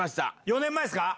４年前っすか？